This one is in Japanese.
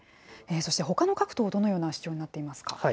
そしてほかの各党、どのような主張になっていますか。